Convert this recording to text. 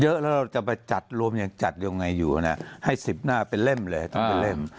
เยอะแล้วเราจะไปจัดรวมยังจัดยังไงอยู่นะให้๑๐หน้าเป็นเล่มเลยต้องเป็นเล่ม